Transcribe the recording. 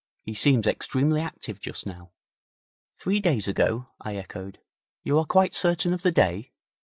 He seems extremely active just now.' 'Three days ago!' I echoed. 'You are quite certain of the day?'